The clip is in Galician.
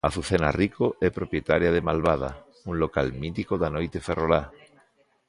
Azucena Rico é propietaria de Malvada, un local mítico da noite ferrolá.